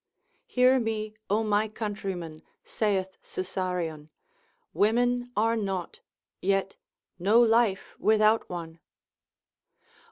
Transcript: Hear me, O my countrymen, saith Susarion, Women are naught, yet no life without one.